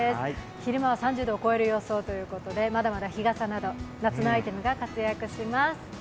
昼間は３０度を超える予想ということでまだまだ日傘など夏のアイテムが活躍します。